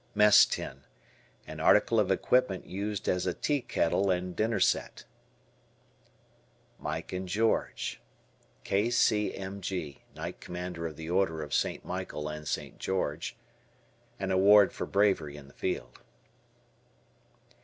Mess Tin. An article of equipment used as a tea kettle and dinner set. "Mike and George." K. C. M. G. (Knight Commander of the Order of St. Michael and St. George). An award for bravery in the field.